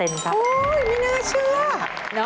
โอ๊ยไม่น่าเชื่อ